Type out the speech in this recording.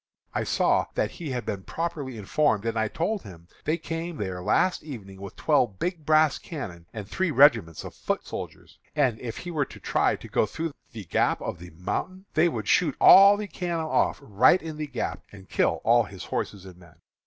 "I saw that he had been properly informed, and I told him they came there last evening with twelve big brass cannon and three regiments of foot soldiers, and if he was to try to go through the gap of the mountain they would shoot all the cannon off right in the gap, and kill all his horses and men.